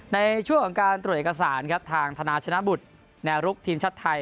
ในช่วงของการตรวจเอกสารครับทางธนาชนะบุตรแนวรุกทีมชาติไทย